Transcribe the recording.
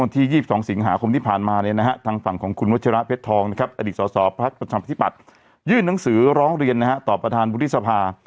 ที่๒๒สิงหาคมที่ผ่านมาทางฝั่งของคุณวจาระเพชรทองอดีตสอบประธานปฏิบัติยื่นหนังสือร้องเรียนต่อประธานบุฏิศภา